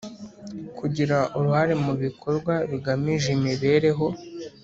Kugira uruhare mu bikorwa bigamije imibereho